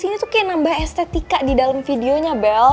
sini tuh kayak nambah estetika di dalam videonya bel